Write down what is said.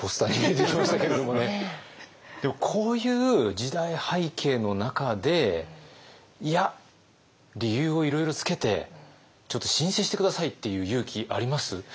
でもこういう時代背景の中でいや理由をいろいろつけてちょっと「申請してください」って言う勇気あります？